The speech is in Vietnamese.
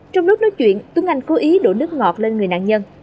trong lúc nói chuyện túng ngành cố ý đổ nước ngọt lên người nạn nhân